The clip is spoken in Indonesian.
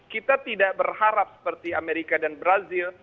kita tidak berharap seperti amerika dan brazil